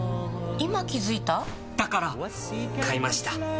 今気付いた？だから！買いました。